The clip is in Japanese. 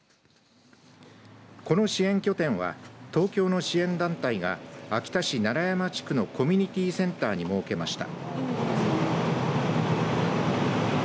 この支援拠点は東京の支援団体が秋田市楢山地区のコミュニティーセンターに設けました。